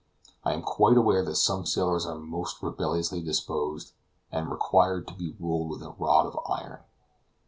I am quite aware that some sailors are most rebelliously disposed, and required to be ruled with a rod of iron.